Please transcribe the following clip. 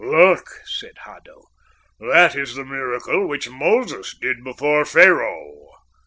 "Look," said Haddo. "That is the miracle which Moses did before Pharaoh."